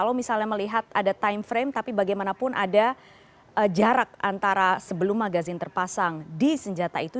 kalau misalnya melihat ada time frame tapi bagaimanapun ada jarak antara sebelum magazin terpasang di senjata itu